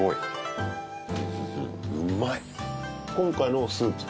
うまいっ